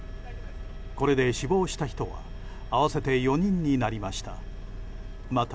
これで死亡した人は合わせて４人になりました。